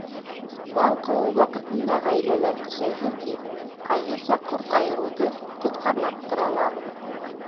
Бал ҡыуыу ваҡытында ғаиләләр көсәйһен тип, ҡайһы саҡ ҡорт айырыуҙы тотҡарлап торалар.